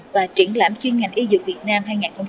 và triển lãm chuyên ngành y dược việt nam